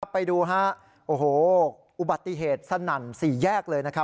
ฝากไปดูครับโหอุบัติเหตุสน่ำสี่แยกเลยครับ